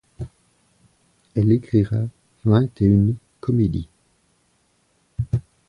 Elle écrira vingt et une comédies.